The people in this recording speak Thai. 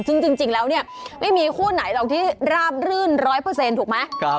ซึ่งจริงแล้วเนี่ยไม่มีคู่ไหนหรอกที่ราบรื่น๑๐๐ถูกไหม